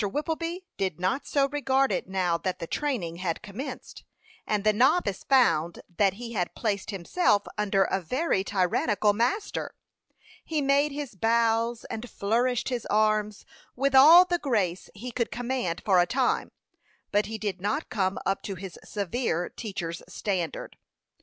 Whippleby did not so regard it, now that the training had commenced; and the novice found that he had placed himself under a very tyrannical master. He made his bows and flourished his arms, with all the grace he could command for a time; but he did not come up to his severe teacher's standard.